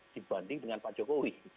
dibanding dengan pak jokowi